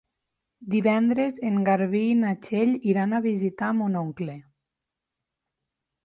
Divendres en Garbí i na Txell iran a visitar mon oncle.